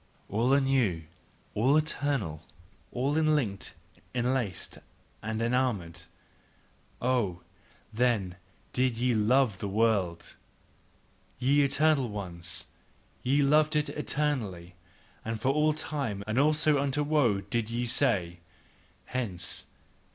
All anew, all eternal, all enlinked, enlaced and enamoured, Oh, then did ye LOVE the world, Ye eternal ones, ye love it eternally and for all time: and also unto woe do ye say: Hence!